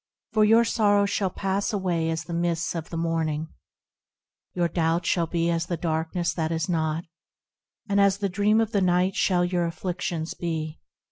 For your sorrows shall pass away as the mists of the morning ; Your doubts shall be as the darkness that is not; And as a dream of the night shall your afflictions be.